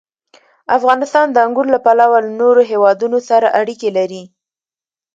افغانستان د انګور له پلوه له نورو هېوادونو سره اړیکې لري.